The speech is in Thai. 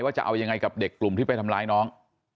จะเอายังไงกับเด็กกลุ่มที่ไปทำร้ายน้อง